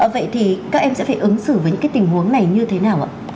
vậy thì các em sẽ phải ứng xử với những cái tình huống này như thế nào ạ